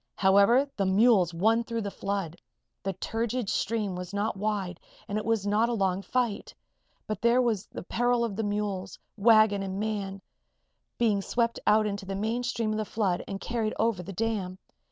However, the mules won through the flood. The turgid stream was not wide and it was not a long fight. But there was the peril of mules, wagon and man being swept out into the main stream of the flood and carried over the dam.